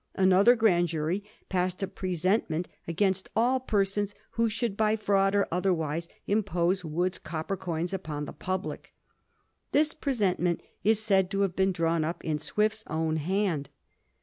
Another Grand Jury passed a presentment against all persons who should by fraud or otherwise impose Wood's cop per coins upon the public. This presentment is said to have been drawn up by Swift's own hand.